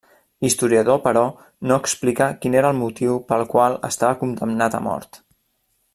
L'historiador però, no explica quin era el motiu pel qual estava condemnat a mort.